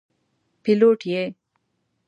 پیلوټ یې.